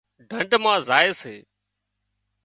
ڍنڍ مان زائي سي